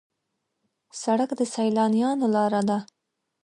سړک د سیلانیانو لاره ده.